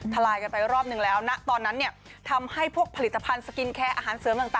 ลายกันไปรอบนึงแล้วนะตอนนั้นเนี่ยทำให้พวกผลิตภัณฑ์สกินแคร์อาหารเสริมต่าง